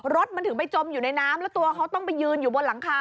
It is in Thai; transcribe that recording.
รถมันถึงไปจมอยู่ในน้ำแล้วตัวเขาต้องไปยืนอยู่บนหลังคา